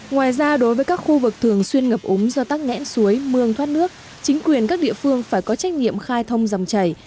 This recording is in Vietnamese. ngoài ra đối với các khu vực thường xuyên ngập úng do tắc nghẽn suối mương thoát nước chính quyền các địa phương phải có trách nhiệm khai thông dòng chảy